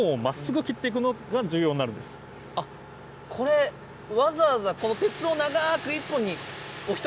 あっこれわざわざこの鉄を長く１本にお一人がつなげて。